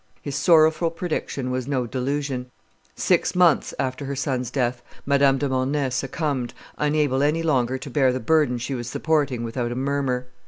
His sorrowful prediction was no delusion; six mouths after her son's death Madame de Mornay succumbed, unable any longer to bear the burden she was supporting without a murmur.